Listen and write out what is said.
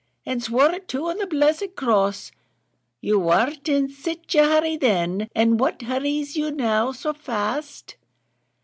and swore it too on the blessed cross; you worn't in sich a hurry then, and what hurries you now so fast?"